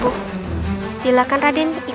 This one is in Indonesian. tolong siapkan kamar yang terbaik